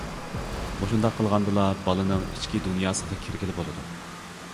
مۇشۇنداق قىلغاندىلا، بالىنىڭ ئىچكى دۇنياسىغا كىرگىلى بولىدۇ.